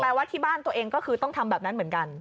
ว่าที่บ้านตัวเองก็คือต้องทำแบบนั้นเหมือนกัน